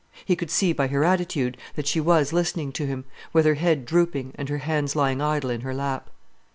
He could see by her attitude that she was listening to him, with her head drooping and her hands lying idle in her lap.